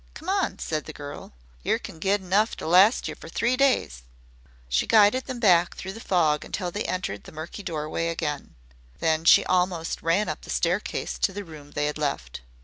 "Come on," said the girl. "Yer can get enough to last fer three days." She guided them back through the fog until they entered the murky doorway again. Then she almost ran up the staircase to the room they had left.